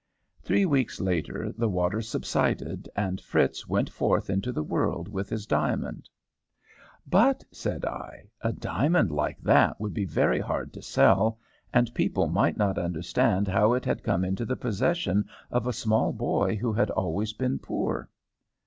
"Three weeks later the waters subsided, and Fritz went forth into the world with his diamond." "But," said I, "a diamond like that would be very hard to sell, and people might not understand how it had come into the possession of a small boy who had always been poor."